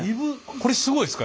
これすごいっすか？